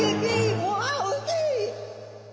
うわおいしい！